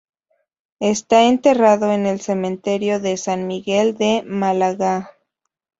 Está enterrado en el Cementerio de San Miguel de Málaga.